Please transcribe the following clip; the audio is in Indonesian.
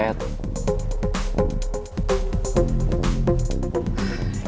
itu udah jadi template